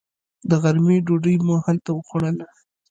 د غرمې ډوډۍ مو هلته وخوړله.